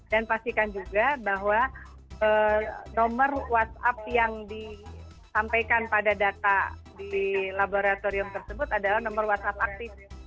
dan pastikan juga bahwa nomor whatsapp yang disampaikan pada data di laboratorium tersebut adalah nomor whatsapp aktif